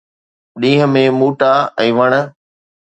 ڏينهن ۾ ٻوٽا ۽ وڻ